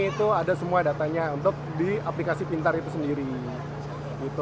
itu ada semua datanya untuk di aplikasi pintar itu sendiri